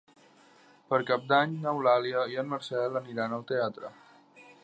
Per Cap d'Any n'Eulàlia i en Marcel aniran al teatre.